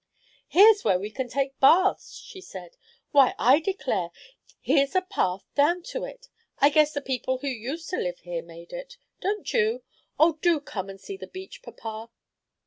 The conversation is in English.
"Here's where we can take baths," she said. "Why, I declare, here's a path down to it. I guess the people who used to live here made it; don't you? Oh, do come and see the beach, papa!"